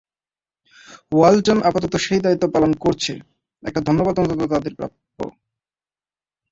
ওয়ালটন আপাতত সেই দায়িত্ব পালন করছে, একটা ধন্যবাদ অন্তত তাদের প্রাপ্য।